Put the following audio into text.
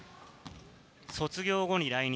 卒業後に来日。